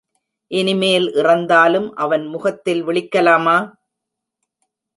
இனிமேல் இறந்தாலும் அவன் முகத்தில் விழிக்கலாமா?